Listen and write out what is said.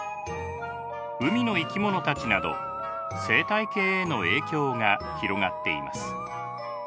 海の生き物たちなど生態系への影響が広がっています。